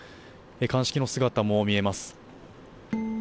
鑑識の姿も見えます。